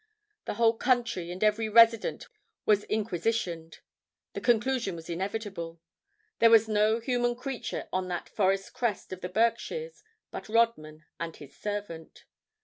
The whole country and every resident was inquisitioned. The conclusion was inevitable. There was no human creature on that forest crest of the Berkshires but Rodman and his servant.